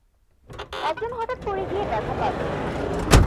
একজন হঠাৎ পড়ে গিয়ে ব্যথা পাবে।